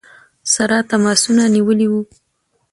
سره تماسونه نیولي ؤ.